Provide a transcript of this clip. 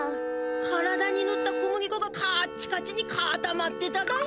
体にぬった小麦粉がカッチカチにかたまってただよ。